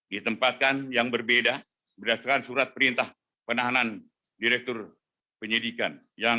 ditempatkan yang berbeda berdasarkan surat perintah penahanan direktur penyidikan